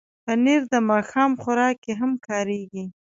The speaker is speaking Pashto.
پنېر د ماښام خوراک کې هم کارېږي.